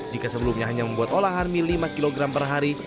jika sebelumnya hanya membuat olahan mie lima kg per hari